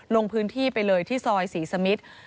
ลงพื้นที่ไปเลยที่ซอยศรีสมิท